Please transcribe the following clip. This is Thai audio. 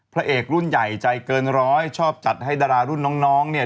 พระเอกรุ่นใหญ่ใจเกินร้อยชอบจัดให้ดารารุ่นน้องน้องเนี่ย